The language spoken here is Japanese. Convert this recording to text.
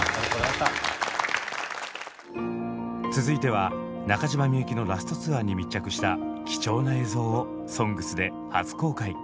続いては中島みゆきのラスト・ツアーに密着した貴重な映像を「ＳＯＮＧＳ」で初公開。